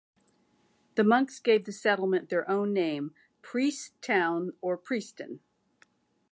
The monks gave the settlement their own name, Prieststown or Prieston.